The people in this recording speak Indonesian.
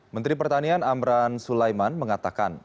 menteri pertanian amran sulaiman mengatakan